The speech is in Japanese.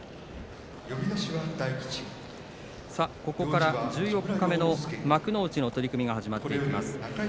ここから十四日目の幕内の取組が始まっていきます。